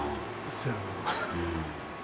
そやな。